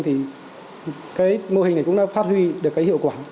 thì cái mô hình này cũng đã phát huy được cái hiệu quả